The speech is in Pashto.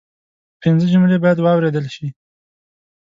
پنځه جملې باید واوریدل شي